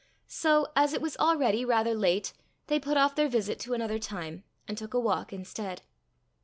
So, as it was already rather late, they put off their visit to another time, and took a walk instead.